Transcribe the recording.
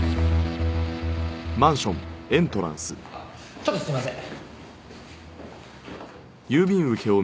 ちょっとすいません。